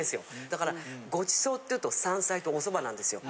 だからご馳走っていうと山菜とお蕎麦なんですよ。